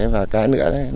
và cái nữa là